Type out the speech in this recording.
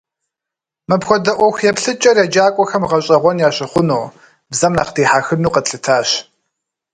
Мыпхуэдэ ӏуэху еплъыкӏэр еджакӀуэхэм гъэщӀэгъуэн ящыхъуну, бзэм нэхъ дихьэхыну къэтлъытащ.